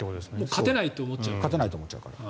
勝てないと思っちゃうから。